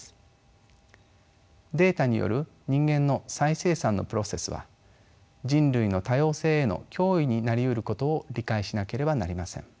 データによる人間の再生産のプロセスは人類の多様性への脅威になりうることを理解しなければなりません。